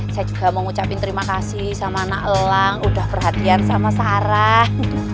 saya juga mau ngucapin terima kasih sama anak elang udah perhatian sama sarah